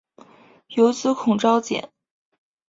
有子孔昭俭。